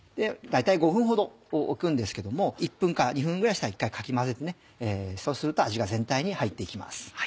大体５分ほど置くんですけども１分か２分ぐらいしたら一回かき混ぜてねそうすると味が全体に入って行きます。